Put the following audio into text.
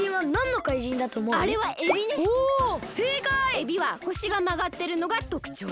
エビは腰がまがってるのがとくちょう。